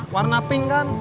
warna pink kan